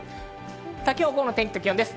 今日の午後の天気と気温です。